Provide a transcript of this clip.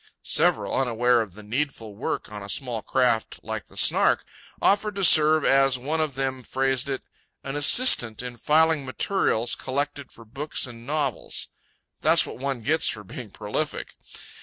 Several, unaware of the needful work on a small craft like the Snark, offered to serve, as one of them phrased it, "as assistant in filing materials collected for books and novels." That's what one gets for being prolific.